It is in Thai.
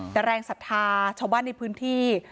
แต่แรงศรัทธาชาวบ้านในพื้นที่